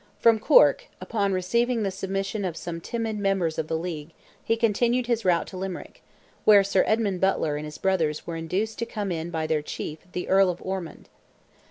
From Cork, upon receiving the submission of some timid members of the League, he continued his route to Limerick, where Sir Edmond Butler and his brothers were induced to come in by their chief the Earl of Ormond.